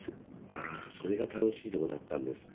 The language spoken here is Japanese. ああそれが楽しいとこだったんですか。